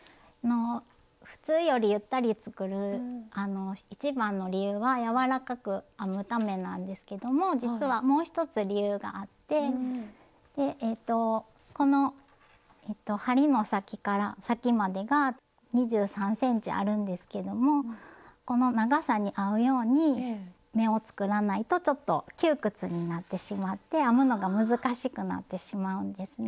普通よりゆったり作る一番の理由は柔らかく編むためなんですけども実はもう一つ理由があってこの針の先から先までが２３ｃｍあるんですけどもこの長さに合うように目を作らないとちょっと窮屈になってしまって編むのが難しくなってしまうんですね。